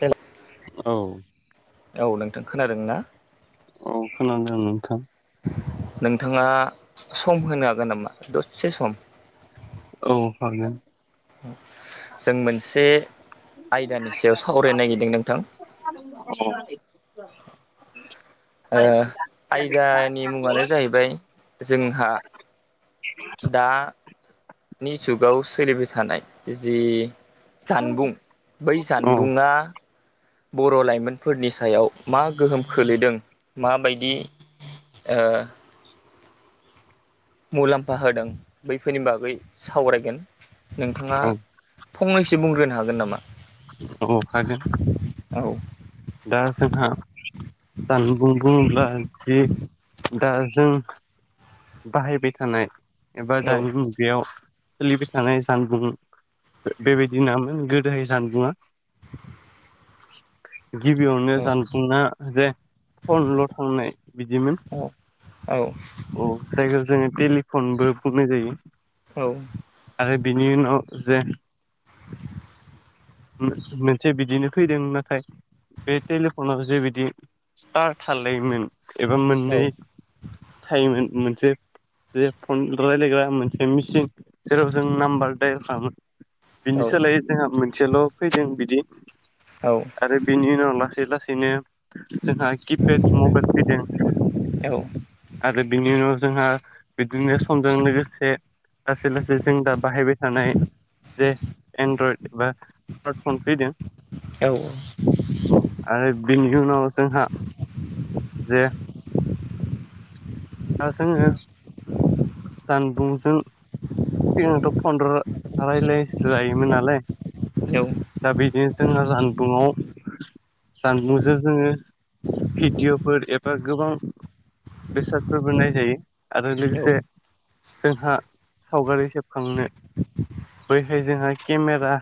हेल' औ औ नोंथां खोनादों ना? औ खोनादों नोंथां। नोंथाङा सम होनो हागोन नामा दसे सम? औ हागोन। जों मोनसे आयदानि सायाव सावरायनो नागिरदों नोंथां [unintelligible] [inaudible] ओ आयदानि मुङानो जाहैबाय जोंहा दानि जुगाव सोलिबाय थानाय जि जानबुं बै औ जानबुंआ बर' लाइमोनफोरनि सायाव मा गोहोम खोलैदों माबायदि ओ मुलाम्फा होदों बैफोरनि बागै सावरायगोन। नोंथाङा औ फंनैसो बुंग्रोनो हागोन नामा? औ हागोन। औ दा जोंहा जानबुं बुङोब्ला जि दा जों बाहायबाय थानाय एबा औ दानि मुगायाव सोलिबाय थानाय जानबुं बेबायदि नङामोन गोदोहाय जानबुंङा [inaudible] गिबियावनो औ जानबुङा‌ जे फनल' थांनाय बिदिमोन। औ औ जायखौ जों टेलिफनबो बुंनाय जायो। औ आरो बिनि उनाव जे मोनसे बिदिनो फैदों नाथाय बे टेलिफनाव जे बेदि स्टार थालायोमोन। एबा मोननै थायोमोन मोन से जे फन राय्लायग्रा मोनसे मिचिन जेराव जों नाम्बार दाइल खालामो। बिनि सोलायै जोंहा मोनसेल' फैदों बिदि औ आरो बिनि उनाव लासै लासैनो जोंहा किपेड मबाइल फैदों आरो बिनि उनाव जोंहा बिदिनो समजों लोगोसे लासै लासै जों दा बाहायबाय थानाय जे एन्ड्रयड एबा स्मार्टफन फैदों औ औ आरो बिनि उनाव जोंहा जे दा जोङो जानबुंजों सिगांथ' फनल' रायलाय जायोमोन नालाय दा बिदिनो जोंना जानबुंआव जानबुंजों जोङो भिडिअ'फोर एबा गोबां बेसाद फोरबो नायजायो आरो लोगोसे जोंहा सावगारि सेबखांनो बैहाय जोंहा केमेरा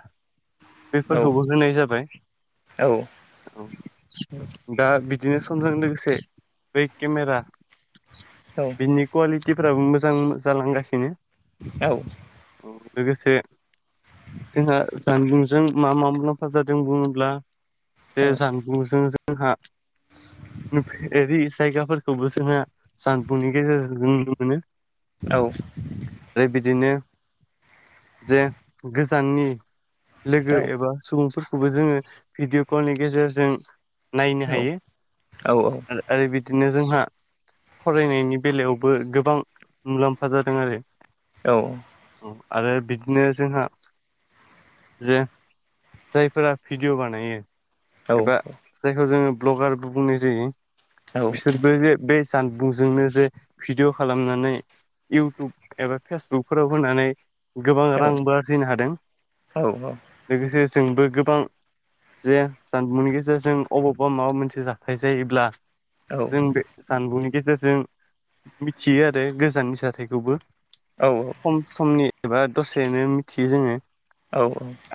बेफोरखौबो होनाय जाबाय। औ औ दा बिदिनो समजों लोगोसे बै केमेरा बिनि कुवालिटिफ्राबो मोजां जालांगासिनो। औ औ लोगोसे जोंहा जानबुंजों मा मा मुलाम्फा जादों बुङोब्ला जे जानबुंजों जोंहा ओरै जायगाफोरखौबो जोङहा जानबुंनि गेजेरजों नुनो मोनो आरो बिदिनो जे गोजाननि लोगो एबा सुबुंफोरखौबो जोङो भिडिअ कलनि गेजेरजों नायनो हायो आरो आरो ओ बिदिनो जोंहा फरायनायनि बेलायावबो गोबां मुलाम्फा जादों आरो आरो बिदिनो जोंहा जे जायफोरा भिडिअ बानायो औ एबा औ जायखौ जोङो ब्लगारबो बुंनाय जायो बिसोरबो जे बे जान बुंजोंनो जे भिडिअ खालामनानै इउटुब एबा फेसबुकफोराव होनानै गोबां रांबो आरजिनो हादों औ लोगोसे जोंबो गोबां जे जानबुंनि गेजेरजों अबावबा माबा मोनसे जाथायथाय जायोब्ला जों बे सानबुंनि गेजेरजों मिथियो आरो गोजाननि जाथायखौबो खम समनि एबा दसेरनो मिथियो जोङो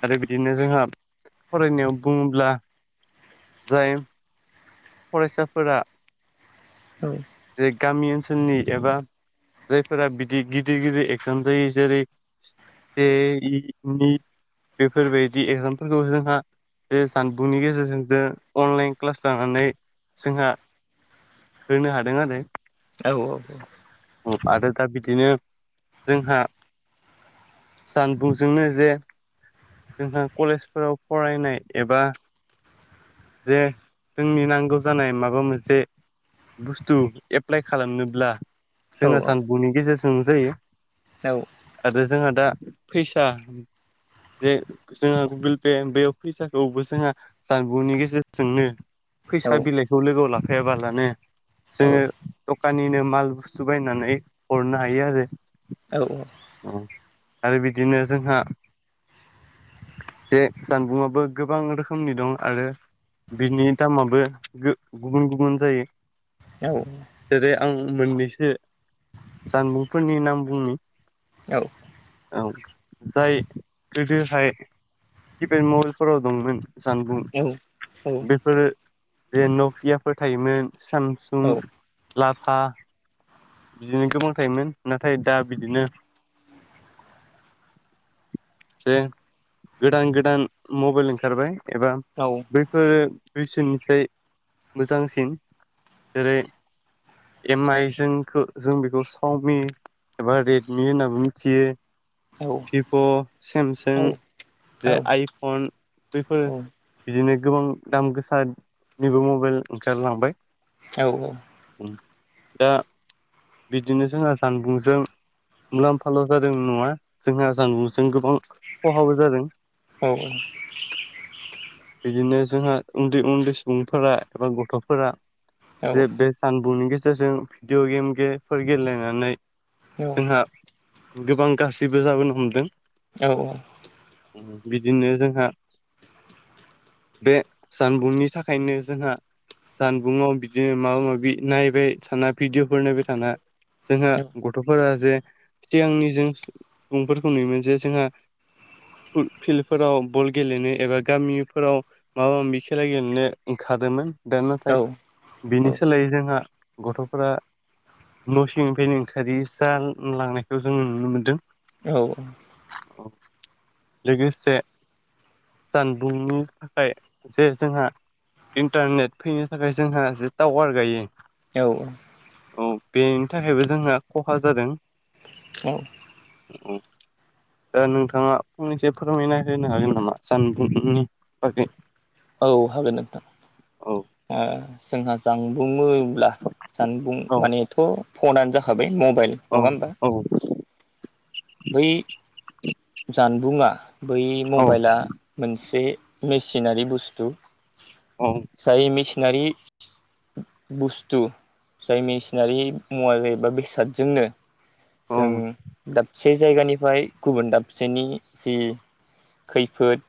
आरो बिदिनो जोंहा फरायनायाव बुङोब्ला जाय फरायसाफोरा जे गामि ओनसोलनि एबा जायफोरा बिदि गिदिर गिदिर एक्जाम जायो जेरै जे नि बेफोरबायदि एगजामफोरखौ जोंहा जे सानबुंनि गेजेरजों ज अनलाइन क्लास लानानै जोंहा होनो हादों आरो। औ औ औ आरो दा बिदिनो जोंहा जानबुंजोंनो जे जोंहा कलेजफोराव फरायनाय एबा जे जोंनि नांगौ जानाय माबा मोनसे बुस्थु एप्लाइ खालामनोब्ला जोंना सानबुंनि गेजेरजों जायो। औ आरो जोंहा दा फैसा जे जोंहा गुगोल पे बेयाव फैसाखौबो जोंहा जानबुंनि गेजेर जोंनो फैसा बिलाइखौ लोगोआव लाखायाबालानो जोङो दखाननिनो माल बुस्थु बायनानै हरनो हायो आरो। आरो बिदिनो जोंहा जे जानबुंआबो गोबां रोखोमनि दं आरो बिनि दामाबो गुबुन गुबुन जायो। जेरै आं मोननैसो जानबुंफोरनि नाम बुंनि। औ जाय गोदोहाय मबाइलफोराव दंमोन जानबुं बेफोरो जे नकियाफोर थायोमोन सामसुं लाभा बिदिनो गोबां थायोमोन नाथाय दा बिदिनो [inaudible] जे गोदान गोदान मबाइल ओंखारबाय एबा बैफोरो बैसिनिफ्राय मोजांसिन जेरै एम आइ जोंखौ जों बेखौ चावमि एबा रेडमि होनाबो मिथियो। भिभ सेमसां जे आइफन बैफोर बिदिनो गोबां दाम गोसानिबो मबाइल ओंखारलांबाय। औ औ दा बिदिनो जोंहा जानबुंजों मुलाम्फाल' जादों नङा जोंहा आसामुंजों गोबां खहाबो जादों। औ [inaudible] बिदिनो जोंहा उन्दै उन्दै सुबुंफोरा एबा गथ'फोरा जे बे जामबुंनि गेजेरजों भिडिअ' गेमेफोर गेलेनानै जोंहा गोबां गासिबो जाबोनो हमदों। बिदिनो जोंहा बे जानबुंनि थाखायनो जोंहा जानबुंङआव बिदिनो माबा माबि नायबाय थाना भिडिअफोर नायबाय थाना जोंहा गथ'फोरा जे सिगांनि जों सुबुंफोरखौ नुयोमोन जे जोंहा फिल्डफोराव बल गेलेनो एबा गामि फोराव माबा माबि खेला गेलेनो ओंखारोमोन दा नाथाय बिनि सोलायै जोंहा गथ'फोरा न'सिंनिफ्राय ओंखारि जालांनायखौ जोङो नुनो मोनदों। लोगोसे जानबुंनि थाखाय जे जोंहा इन्टारनेट फैनो थाखाय जोंहा जि टावार गायो। औ औ बेनि थाखायबो जोंना खहा जादों। [inaudible] औ दा नोंथाङा फंनैसो फोरमायना होनो हागोन नामा जानबुंनि बागै। औ हागोन नोंथां औ जोंहा जामबुं ब्ला जानबुं औ माने फनानो जाखाबाय मबाइल बाइल औ नङा होनबा औ बै जानबुंङा बै औ मबाइला मोनसे मेसिनारि बुस्थु। जाय मेसिनारि बुस्थु जाय मेसिनारि मुवा जायो एबा बेसादजोंनो जों औ दाब से जायगानिफाय गुबुन दाबसेनि जि खैफोद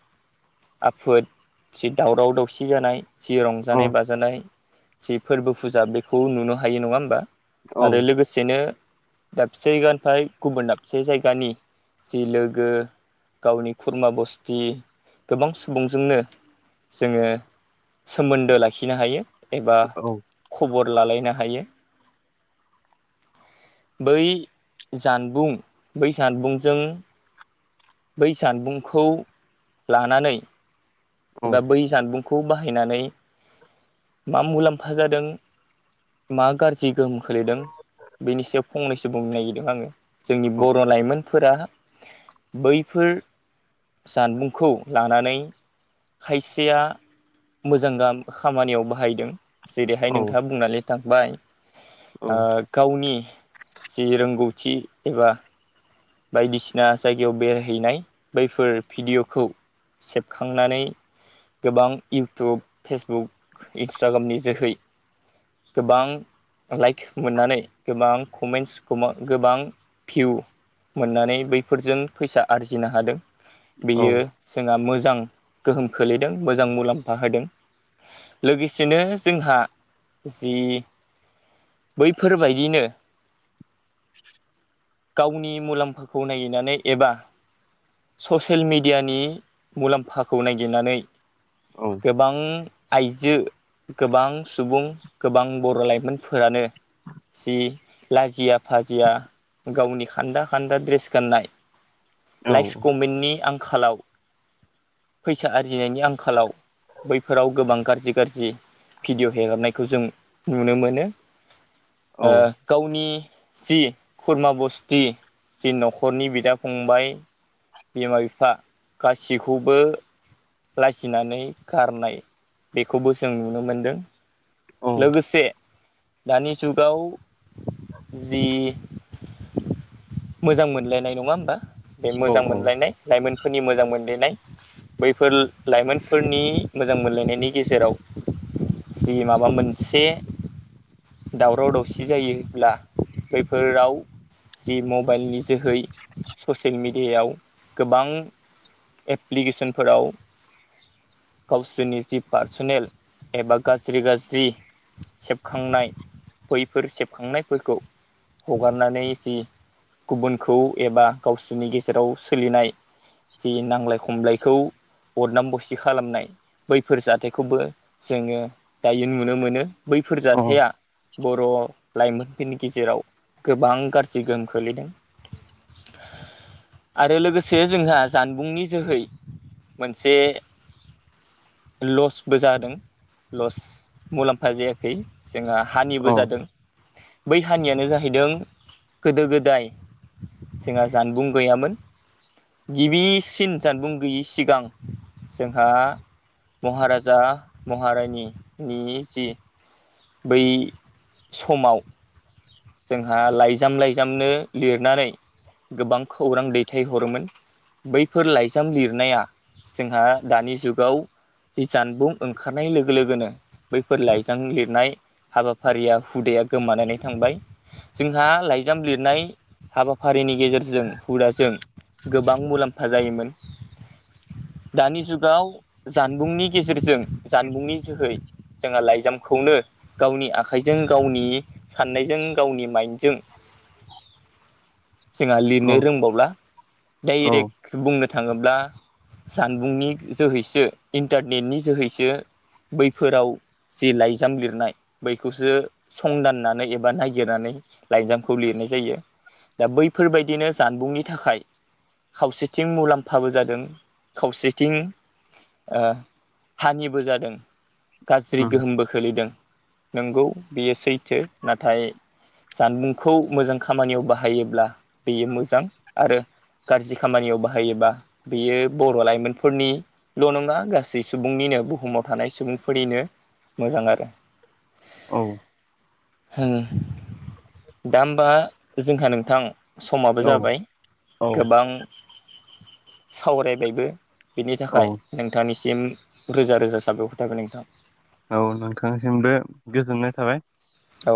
आफोद जि दावराव दावसि जानाय जि औ रंजानाय बाजानाय जि फोरबो फुजा बेखौ नुनो हायो नङा होमबा औ आरो लोगोसेनो दाबसेगानिफ्राय गुबुन दाबसे जायगानि जि लोगो गावनि खुरमा बस्थि गोबां सुबुंजोंनो जोङो सोमोन्दो लाखिनो हायो। एबा औ खबर लालायनो हायो। बै जानबुं बै जानबुंजों बै जानबुंखौ लानानै एबा औ बै जानबुं खौ बाहायनानै मा मुलाम्फा जादों मा गारजि गोहोम खोलैदों बेनि सायाव फंनैसो बुंनो नागिरदों आङो। जोंनि औ बर' लाइमोनफोरा बैफोर जानबुंखौ लानानै खायसेया मोजां गा खामानियाव बाहायदों जेरैहाय औ नोंथाङा बुंनानै थांबाय औ ओ गावनि जि रोंगौथि एबा बायदिसिना जायगायाव बेरायहैनाय बैफोर भिडिय'खौ सेबखांनानै गोबां इउटुब फेसबुक इन्सटाग्रामनि जोहै गोबां लाइक मोननानै गोबां कमेन्टस गोमा गोबां भिउ मोननानै बैफोरजों फैसा आरजिनो हादों औ बेयो जोंहा मोज जां गोहोम खोलैदों मोजां मुलामफा होदों। लोगोसेनो जोंहा जि बैफोरबायदिनो गावनि मुलामफाखौ नायहैनानै एबा ससियेल मेडियानि मुलामफाखौ नायगिरनानै औ गोबां आइजो गोबां सुबुं गोबां बर' लाइमोनफोरानो जि लाजिया फाजिया गावनि खानदा खानदा ड्रेस गाननाय लाइक्स औ कमेन्टनि आं खालाव फैसा आरजिनायनि आंखालाव बैफोराव गोबां गारजि गारजि भिडिअ' हेगारनायखौ जों नुनो मोनो। औ ओ गावनि जि खुरमा बसथि जि न'खरनि बिदा फंबाय बिमा बिफा गासिखौबो लाजिनानै गारनाय बेखौबो जों नुनो मोनदों। औ लोगोसे दानि जुगाव जि मोजां मोनलायनाय नङा होमबा बे मोजां मोनलायनाय लाइमोन फोरनि मोजां मोनलायनाय बैफोर लाइमोनफोरनि मोजां मोनलायनायनि गेजेराव जि मा बा मोनसे दावराव दावसि जायोब्ला बैफोराव जि मबाइलनि जोहै ससियेल मि दियाव गोबां एप्लिकेसनफोराव गावसोरनि जि पार्सनेल एबा गाज्रि गा ज्रि सेबखांनाय बैफोर सेबखांनायफोरखौ हगारनानै जि गुबुनखौ एबा गावसोरनि गेजेराव सोलिनाय जि नांलाय खमलायखौ बरनाम बरसि खालामनाय बैफोर जाथायखौबो जोङो दायो नुनो मोनो। बैफोर औ जाथाया बर' लाइमोनफोरनि गेजेराव गोबां गारजि गोहोम खोलैदों आरो लोगोसे जोंहा जानबुंनि जोहै मोनसे लसबो जादों लस मुलामफा जायाखै जोंहा हानिबो जादों बै हानियानो जाहैदों गोदो गोदाय जोंहा जानबुं गैयामोन गिबिसिन जानबुं गैयि सिगां जोंहा महाराजा महारानि नि जि बै समाव जोंहा लाइजाम लाइजामनो लिरनानै गोबां खौरां दैथायहरोमोन। बैफोर लाइजाम लिरनाया जोंहा दानि जुगाव जि जानबुं ओंखारनाय लोगो लोगोनो बैफोर लाइजाम लिरनाय हाबाफारिया हुदाया गोमानानै थांबाय। जोंहा लाइजाम लिदनाय हाबाफारिनि गेजेरजों हुदाजों गोबां मुलामफा जायोमोन। दानि जुगाव जानबुंनि गेजेरजों जानबुंनि जोहै जोंहा लाइजामखौनो गावनि आखाइजों गावनि साननायजों गावनि माइडजों जोंहा लिरनो औ रोंबावला डाइरेक्ट बुंनो थाङोब्ला जानबुंनि जोहैसो इन्टारनेटनि जोहैसो बैफोराव जि लाइजाम लिरनाय बैखौसो संदाननानै एबा नाय गिरनानै लाइनजामखौ लिरनाय जायो दा बैफोरबायदिनो जानबुंनि थाखाय खावसेथिं मुलाम्फाबो जादों खावसेथिं ओ हानिबो जादों। गाज्रि गोहोमबो खोलैदों नोंगौ बेयो सै जानबुंखौ मोजां खामानियाव बाहायोब्ला बेयो मोजां आरो गारजि खामानियाव बाहायोबा बेयो बर' लाइमोनफोरनिल' नङा गासै सुबुंनि नो बुहुमाव थानाय सुबुंफोरनिनो मोजां आरो। औ हो दा होमबा जोंहा नोंथां समाबो जाबाय औ गोबां सावरायबायबो। बेनि थाखाय औ औ नोंथांनिसिम रोजा रोजा साबायखर थाबाय नोंथां। औ नोंथांसिमबो गोजोननाय थाबाय। औ